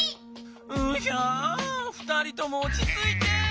うひゃあ２人ともおちついて！